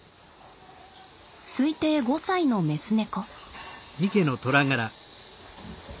推定５歳のメス猫。